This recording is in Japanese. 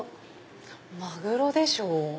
マグロでしょ。